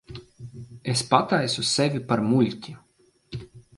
Es pataisu sevi par muļķi.